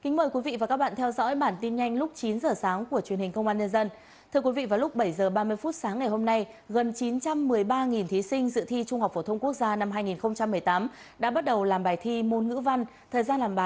hãy đăng ký kênh để ủng hộ kênh của chúng mình nhé